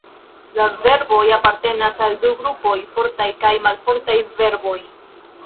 La verboj apartenas al du grupoj, fortaj kaj malfortaj verboj.